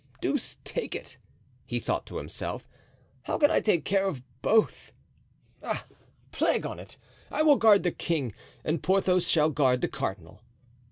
"Deuce take it!" he thought to himself, "how can I take care of both? Ah! plague on't, I will guard the king and Porthos shall guard the cardinal."